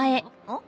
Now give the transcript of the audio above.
ん？